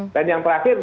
dan yang terakhir